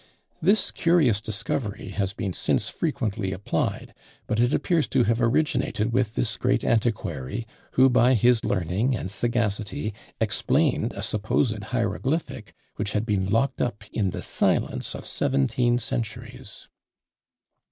This curious discovery has been since frequently applied; but it appears to have originated with this great antiquary, who by his learning and sagacity explained a supposed hieroglyphic, which had been locked up in the silence of seventeen centuries.